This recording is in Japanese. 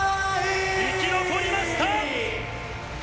生き残りました！